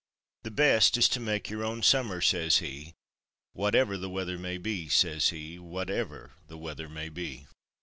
The best is to make your own summer," says he, "Whatever the weather may be," says he "Whatever the weather may be!"